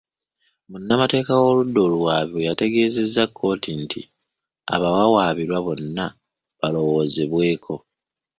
Munnamateeka w'oludda oluwaabi bwe yategezezza kkooti nti abawawaabirwa bonna balowoozebweko.